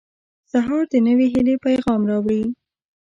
• سهار د نوې هیلې پیغام راوړي.